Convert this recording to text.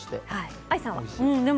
愛さんは？